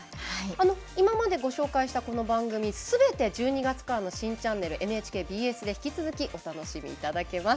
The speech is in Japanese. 今までご紹介したこの番組、すべて１２月からの新チャンネルＮＨＫＢＳで引き続き、お楽しみいただけます。